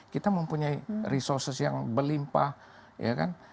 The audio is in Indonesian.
kita mempunyai resources yang berlimpah ya kan